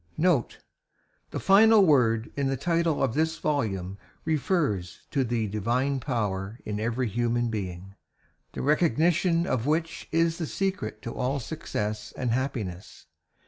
NOTE The final word in the title of this volume refers to the DIVINE POWER in every human being, the recognition of which is the secret to all success and happiness.